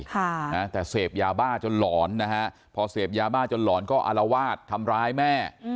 ค่ะนะแต่เสพยาบ้าจนหลอนนะฮะพอเสพยาบ้าจนหลอนก็อารวาสทำร้ายแม่